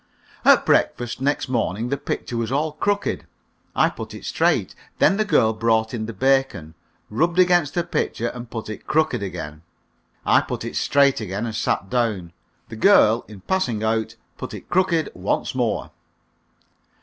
At breakfast next morning the picture was all crooked. I put it straight. Then the girl brought in the bacon, rubbed against the picture, and put it crooked again. I put it straight again, and sat down. The girl, in passing out, put it crooked once more.